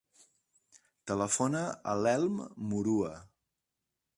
Telefona a l'Elm Murua.